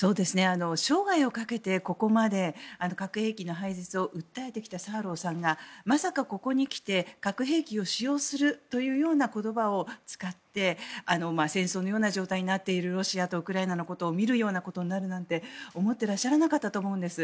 生涯をかけてここまで核兵器の廃絶を訴えてきたサーローさんがまさかここに来て核兵器を使用するというような言葉を使って戦争のような状態になっているロシアとウクライナのことを見るような状態になるなんて思ってらっしゃらなかったと思うんです。